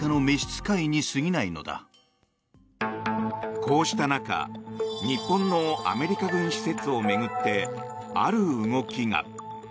こうした中日本のアメリカ軍施設を巡ってある動きが。